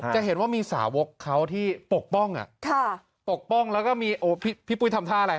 จะเห็นว่ามีสาวกเขาที่ปกป้องปกป้องแล้วก็มีพี่ปุ้ยทำท่าอะไร